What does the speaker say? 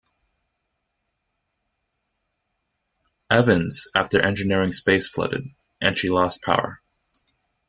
"Evans" after engineering spaces flooded, and she lost power.